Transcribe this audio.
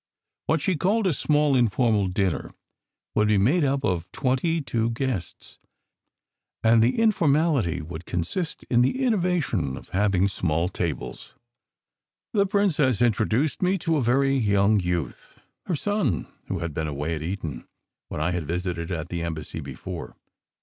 What she had called a "small, informal dinner" would be SECRET HISTORY 273 made up of twenty two guests; and the informality would consist in the innovation of having small tables. The princess introduced me to a very young youth, her son, who had been away at Eton when I had visited at the embassy before.